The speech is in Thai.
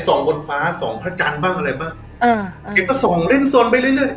ส่องบนฟ้าส่องพระจันทร์บ้างอะไรบ้างเก๋ก็ส่องเล่นสนไปเรื่อย